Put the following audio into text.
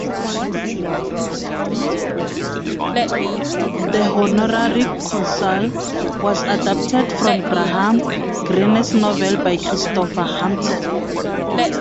"The Honorary Consul" was adapted from Graham Greene's novel by Christopher Hampton.